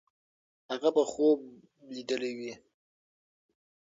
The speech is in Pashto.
هغه به خوب لیدلی وي.